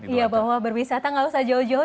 iya bahwa berwisata nggak usah jauh jauh